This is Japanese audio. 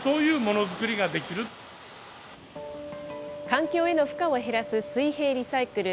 環境への負荷を減らす水平リサイクル。